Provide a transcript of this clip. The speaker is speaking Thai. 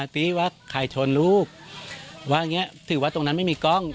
ตีว่าใครชนลูกว่าอย่างนี้ถือว่าตรงนั้นไม่มีกล้อง